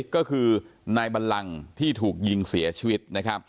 ก็คือนายบัลลังที่ถูกยิงเสียชีวิตนะครับ